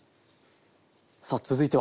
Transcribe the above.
さあ続いては。